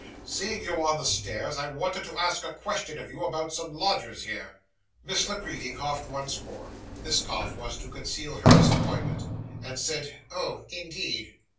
Seeing you on the stairs, I wanted to ask a question of you, about some lodgers here.' Miss La Creevy coughed once more this cough was to conceal her disappointment and said, 'Oh, indeed!